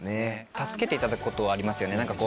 助けていただくことはありますよね。